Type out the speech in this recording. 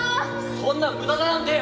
「そんな無駄だなんて！」。